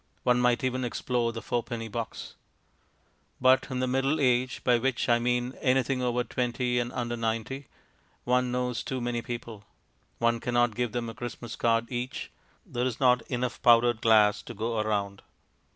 One might even explore the fourpenny box. But in middle age by which I mean anything over twenty and under ninety one knows too many people. One cannot give them a Christmas card each; there is not enough powdered glass to go round.